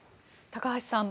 高橋さん